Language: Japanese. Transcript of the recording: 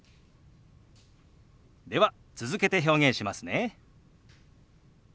では続けて表現しますね。